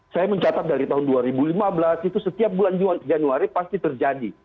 saya mencatat dari tahun dua ribu lima belas itu setiap bulan januari pasti terjadi